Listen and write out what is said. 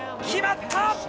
決まった！